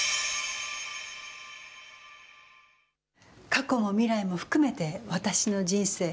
過去も未来も含めて、私の人生。